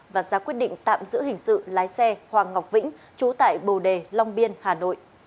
và ra quyết định tạm giữ hình sự lái xe hoàng ngọc vĩnh trú tại bồ đề long biên hà nội